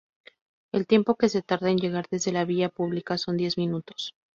El tiempo que se tarda en llegar desde la vía pública son diez minutos.